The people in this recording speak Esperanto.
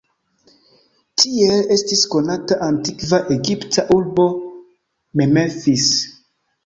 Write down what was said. Tiel estis konata antikva egipta urbo "Memphis".